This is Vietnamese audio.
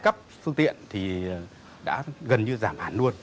ăn cắp phương tiện thì đã gần như giảm hẳn luôn